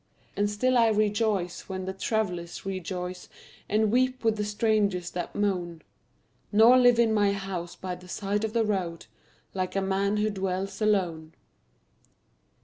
And still I rejoice when the travelers rejoice And weep with the strangers that moan, Nor live in my house by the side of the road Like a man who dwells alone.